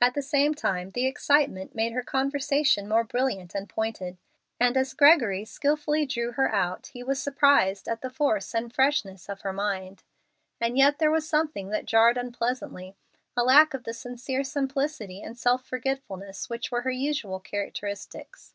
At the same time the excitement made her conversation more brilliant and pointed, and as Gregory skilfully drew her out, he was surprised at the force and freshness of her mind. And yet there was something that jarred unpleasantly, a lack of the sincere simplicity and self forgetfulness which were her usual characteristics.